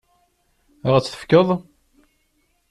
Ad ɣ-tt-tefkeḍ?